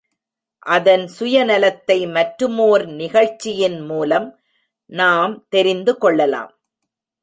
அதன் சுய நலத்தை மற்றுமோர் நிகழ்ச்சியின் மூலம் நாம் தெரிந்துகொள்ளலாம்.